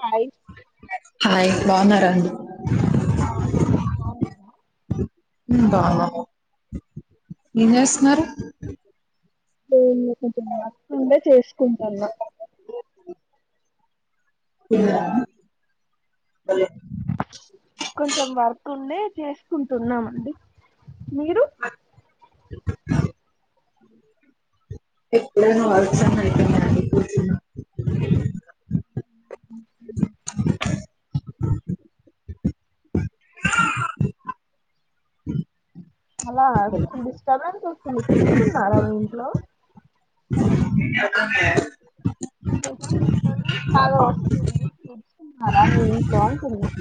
Hi hi బాగున్నార [unintelligible] ఉ బాగున్నాము ఏం చేస్తున్నారు ఏం లేదు వర్క్ ఉంటే చేసుకుంటన్న యా కొంచెం వర్క్ ఉంది చేసుకుంటున్నామండి మీరు ఎప్పుడైనా వర్క్స్ ఉన్నాయా [unintelligible] ఉహు ఓకే అలా కొంచెం డిస్టబెన్స్ వస్తుంది కిడ్స్ ఉన్నారా మీ ఇంట్లో బాగా వస్తుంది కిడ్స్ ఉన్నారా మీ ఇంట్లో అంటున్న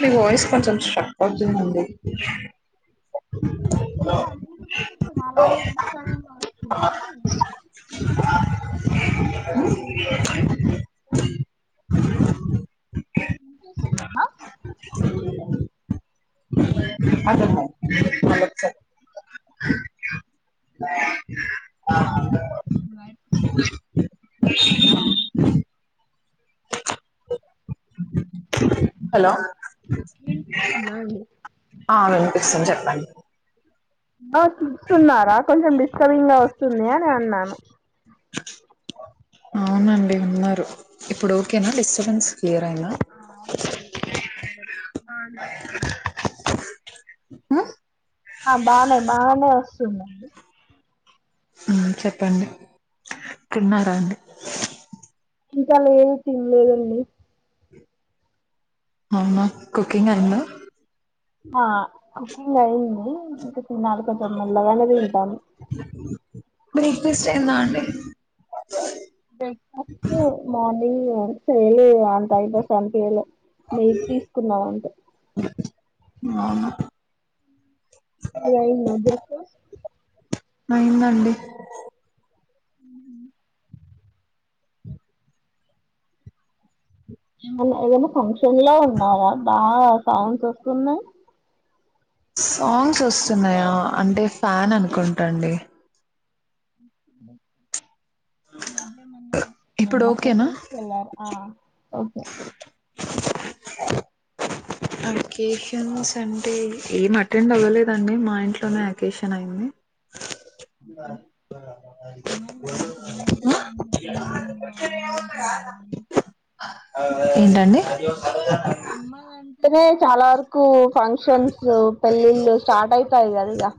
మీ వాయిస్ కొంచెం స్టక్ అవుతుందండి ముందు లాగా కొంచెం అలానే డిస్టబెన్స్ వస్తుంది వినిపిస్తుందా [unintelligible] వినిపిస్తుందా హలో వినిపిస్తుందా అండి? ఆ వినిపిస్తుంది చెప్పండి ఆ చూస్తున్నారా కొంచెం డిస్టర్బింగ్ గా వస్తుంది అని అన్నాను అవునండి ఉన్నారు ఇప్పుడు ఓకేనా డిస్టబెన్స్ ఆ [unintelligible] ఆ హా బానే బానే వస్తుందండి చెప్పండి తిన్నారా అండి ఇంకాలా ఏం తినలేదంీ అవున కుకింగ్ అయిందా ఆ కుకింగ్ అ ఇంది చిడు కొంచెం మెల్లగానే తింటాం బ్రేక్ఫాస్ట్ అయిందా అండి బ్రేక్ఫాస్ట్ మార్నింగ్స ఏలు అంతాయతే సంత ఏలు నె తీసుకున్నాం అంటే అ ఇైన్నదకు అయిందండి ఉ ఏమన్నా ఏదైనా ఫంక్షన్ లో ఉన్నారా బాగా సౌండ్స్ వస్తున్నాయి సాంగ్స్ వస్తున్నాయా అంటే ఫ్యాన్ అనుకుంటాండి ఇప్పుడు ఓకేనా ొకషన్లర్ ఆ [unintelligible] అవునా అకేషన్స్ అంటే ఏం అటెండ్ అవ్వలేదండి మా ఇంట్లోనే అకేషన్ అయింది అ ఏంటండి అమ్మ అంటేనే చాలా వరకు ఫంక్షన్స్ పెళ్ళిళ్ళు స్టార్ట్ అయితాయి కది ఇక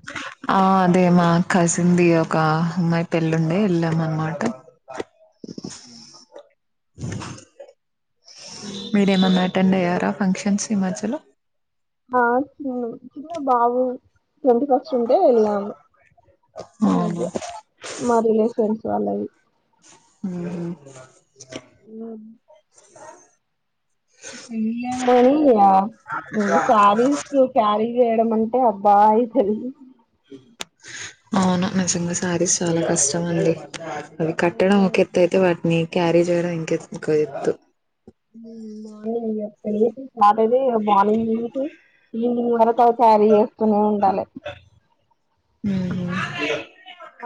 ఆ అదే మా కసింద ది ఒక అమ్మాయి పెళ్ళిండే వెళ్ళాం అనమాట మీరేమన్నా అటెండ్ అయ్యారా ఫంక్షన్స్ హిమాచల్ ఆ చిన్న బాబు ట్వంటీ ఫస్ట్ ఉంటే వెళ్ళాము ఈ మధ్య అవును మా రిలేషన్స్ ఇాల అ ఉ ఆ ఏ మనీ సారి కారి వేయడ అంటే అబ్బాయి తెల్ అవును నిజంగా శారీస్ చాలా కష్టం అండి అవి కట్టడం ఒక ఎత్త్త అయితే వాటిని క్యారీ చేయడం ఇంకె ఎత్తు మా ని అయక్కని స్టార్ట్ అయితే మార్నింగ్ చేసి ఈవినింగ్ వల త క్యారీ చేస్తూనే ఉండాలి మ్మ్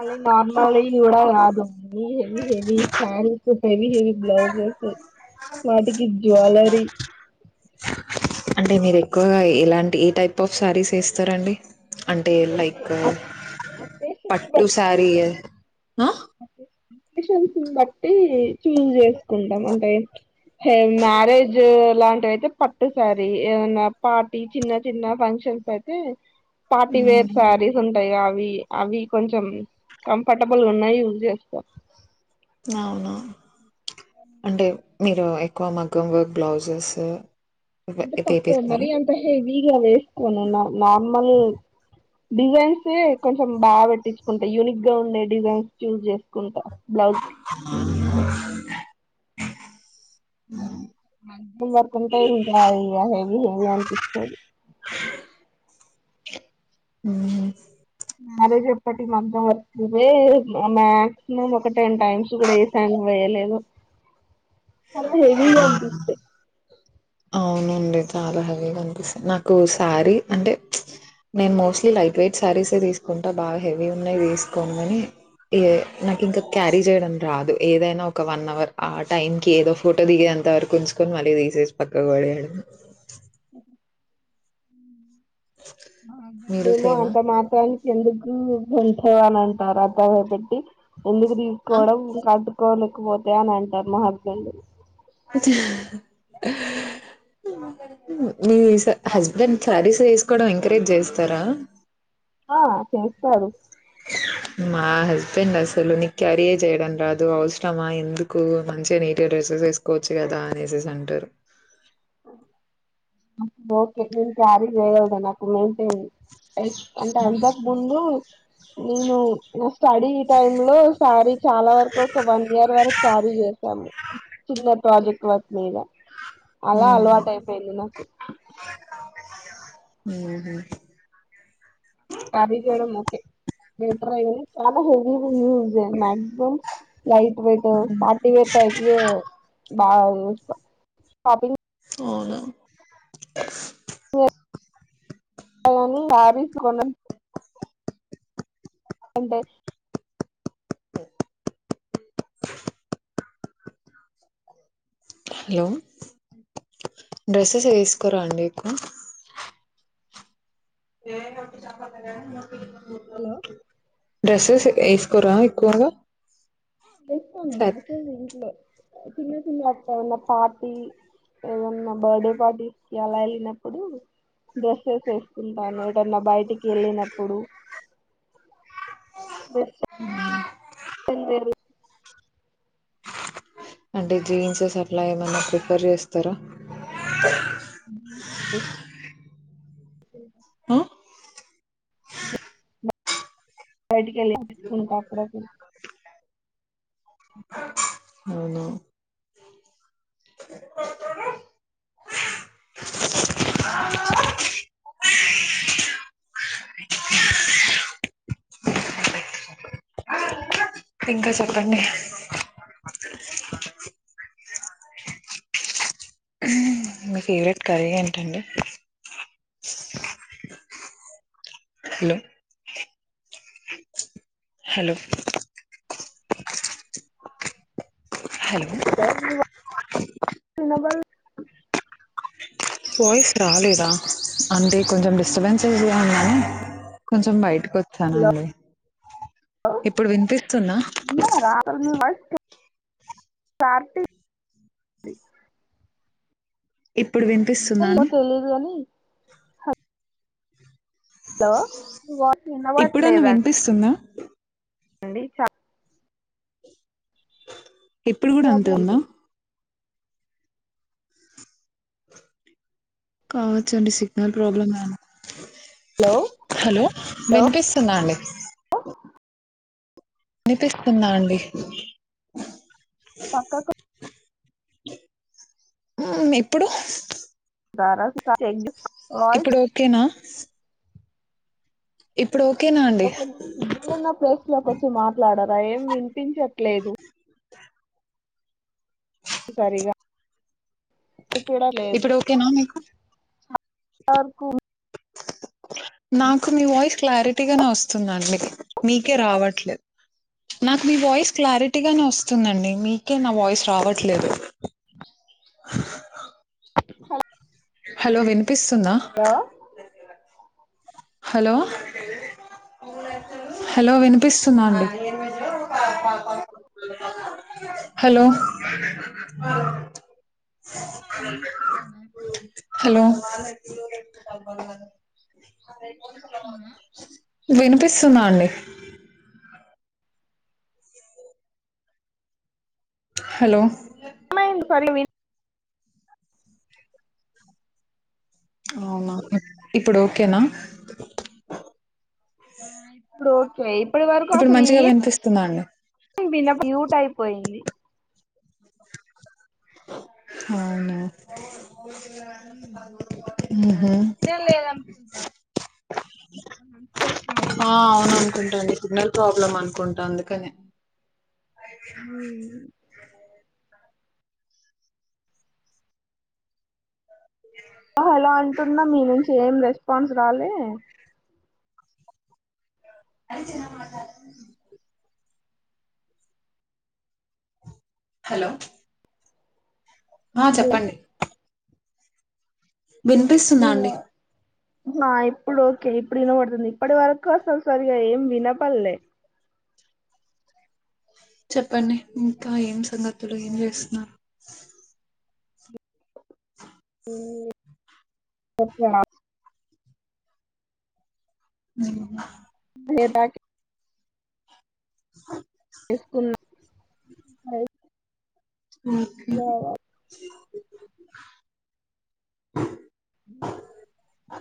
మే నార్మా కూడాడ యాద ఉవి శారీక్ హెవిీ హెవిీ బ్లౌజస్ వాటికి జువెలరీ అంటే మీరు ఎక్కువగా ఎలాంటి ఏ టైప్ ఆఫ్ శారీస్ వేస్తారండి అంటే లైక్ అకేషన్ ని పట్టు బట్టి సారయ హ షని బట్టి చూజ చేసుకుంటాం అంటే మ్యారేజ్ ఇలాంటివి అయితే పట్టుసారి ఏమన్నా పార్టీ చిన్న చిన్న ఫంక్షన్స్ అయితే పార్టీవేర్ హ్మ్ సారీ స ా అవి అవి కొంచెం కంఫర్టబుల్ ఉన్నాయి యూజ్ చేసుకో అవును అంటే మీరు ఎక్కువ మగ్గం వర్క్ బ్లౌజెస్ వే అంటే తక్కువ మరి వేపిస్తారా? అంత హేవిగా వేసుకోను నా నార్మల్ డిజైన్స్ే కొంచెం బాగా పెట్టించుకుంటా యూనిక్ గా ఉండే డిజైన్స్ చూస్్ చేసుకుంటా బ్లౌజ్ వర్తుంట ఇకా హెవీ హెవి అనిపి ఉ మ్యారేజ్ ఎప్పటి మంతం వస్తుే మ్యాక్సిమం ఒక టెన్ టైమ్స్ కూడా ఏ సాంగ్వేజ్ లే లేదు హ హెవీ గా అనిపిస్తాయి అవునండి చాలా హెవీగా అనిపిస్తది నాకు శారీ అంటే నేను మోస్ట్లీ లైట్ వెయిట్ శారీసే తీసుకుంటా బాగా హెవీ ఉన్నాయి తీసుకోను ఏ నాకు ఇంకా క్యారీ చేయడం రాదు ఏదైనా ఒక వన్ అవర్ ఆ టైం కి ఏదో ఫోటో దిగెంత అంత వరకు ఉంచుకొని మళ్ళీ తీసేసి పక్కకు పడేడం మీరు దేేమ సేమా? అంత మాత్ర అ ఎందుకు ఉంట అని అంటారు అ ద [unintelligible] పెట్టి ఎందుకు ఆ? తీసుకోవడం ఇంకా కోలేకపోతే అని అంటారు మా హస్బెండ్ మీ హస్బెండ్ శారీస్ వేసుకోవడం ఎంకరేజ్ చేస్తారా ఆ చేస్తారు మా హస్బెండ్ అసలు నీ క్యారియ చేయడం రాదు అవసరమా ఎందుకు మంచిగా నీట్ గ డ్రెస్ వేసుకోవచ్చు కదా అనేసేసి అంటారు తా [unintelligible] క్యారీ చేయగలుగుతా అయి అంట అంతక ముందు నను స్టడీ టైమ్ లో శారీ చాలా వరకు ఒక వన్ ఇయర్ వరకు క్యారీ చేసాము చిన్న ప్రాజెక్ట్ వర్క్ మీద అలా హ్మ్. అలవాటు అయిపోయింది నా ఉహూ క్యారీ చేయడం ఓకే [unintelligible] చాలా హెవీ గా ఉన్నాయి మ్యా లైట్ వైట్ పార్టీ వర్యితే బ షాపింగ్ [unintelligible] అవునా ని మా మమ్మీ శారీస్ కొన్న రంటే హలో డ్రెస్సెస్ వేసుకోరా అండి ఎక్కువ [unintelligible] హలో డ్రెస్సెస్ వేసుకోరా ఎక్కువగా సర్ ఇంట్లో చిన్న చిన్న అ ఉన్న పార్టీ ఏన్నా నా బర్త్డే పార్టీస్కి అలా వెళ్ళినప్పుడు డ్రెస్సెస్ వెస్ కుంటాను ఏదన్నా బయటికి వెళ్ళినప్పుడు డ్రెస్సే [unintelligible] అంటే జీన్స్ స్ అట్లా ఏమన్నా ప్రిఫేర్ చేస్తారా ఆ ఆ బయటికి వెళ్ళకు కాప్పుడ అవున ఇంకా చెప్పండి మీ ఫేవరెట్ కర్రీ ఏంటండి హలో హలో హలో! హలో వినబడల వాయిస్ రాలేదా అంటే కొంచెం డిస్టర్బెన్సెస్ గా కొంచెం బయటకు వచ్చానండి ఇప్పుడు వినిపిస్తున్నా పార్టీ ఇప్పుడు ఏమో వినిపిస్తుందాని తెలీదు కాని హలో ఇప్పుడన్న వినిపిస్తుంద అండి చ ఇప్పుడు గుడ అంతే ప్రాబ్లం ఉందా ఇది కావచ్చండి సిగ్నల్ ప్రాబ్లమ్ హలో హలో వినిపిస్తుంద అండి వినిపిస్తుంద అండి పక్కకు ఇప్పుడు బారాసిట టేక్ దిస్ ఇప్పుడు ఓకేనా ఇప్పుడు ఓకేనా అండి ఇగా కొంచెం సిగ్నల్ ఉన్న ప్లేస్ లోకి వచ్చి మాట్లాడరా ఏం వినిపించట్లేదు సరిగా వినిపించట్లేదు ఇప్పుడు ఓకేనా మీకు వరకు నాకు మీ వాయిస్ క్లారిటీగానే వస్తుందండి మీకే రావట్లేదు [inaudible] నాకు మీ వాయిస్ క్లారిటీగానే వస్తుందండి మీకే నా వాయిస్ రావట్లేదు [inaudible] హలో వినిపిస్తుందా హలో హలో హలో వినిపిస్తుంద అండి [inaudible] హలో హలో వినిపిస్తుంద అండి హలో మైండ్ పల్లవి అవునా ఇప్పుడు ఓకేనా ఇప్పుడు ఓకే ఇప్పడి వరకు ఇప్పుడు అసలు మంచిగా వినిపిస్తుందా అండి ఏమ్ మ్యూట్ అయిపోయింది అవునా ఊహు పేస్లో అవును అనుకుంటాండి సిగ్నల్ ప్రాబ్లమ్ అనుకుంటా అందుకని హలో అంటున్నా మీ నుంచి ఏం రెస్పాన్స్ రాలే అరిచెన మాట్లాడ్ హలో ఆ హలో చెప్పండి వినిపిస్తుంద మీ అండి వా- ఆ ఇప్పుడు ఓకే ఇప్పుడు ఇనబడుతుంది ఇప్పటి వరకు అసలు సరిగా ఏం వినపల్లే చెప్పండి ఇంకా ఏం సంగతులు ఏం చేస్తున్నారు [inaudible] ఊ హు బే బాకె అ తీస్కున్నా ఓకే ఆ